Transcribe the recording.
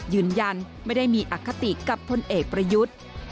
ยืนยันไม่ได้มีอคติกับพลเอกประยุทธ์